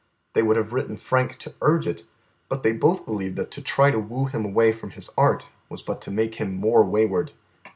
They would have written Frank to urge it, but they both believed that to try to woo him away from his art was but to make him more wayward.